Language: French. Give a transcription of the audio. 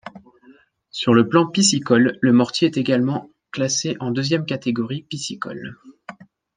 Sur le plan piscicole, le Mortier est également classé en deuxième catégorie piscicole.